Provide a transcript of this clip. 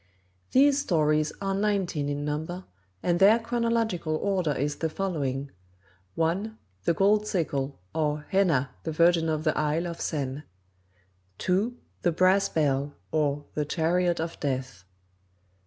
These stories are nineteen in number, and their chronological order is the following: 1. The Gold Sickle; or, Hena, the Virgin of the Isle of Sen; 2. The Brass Bell; or, The Chariot of Death; 3.